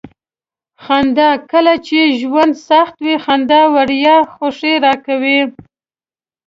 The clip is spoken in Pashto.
خندا: کله چې ژوند سخت وي. خندا وړیا خوښي راکوي.